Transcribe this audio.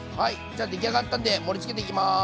じゃあ出来上がったんで盛りつけていきます！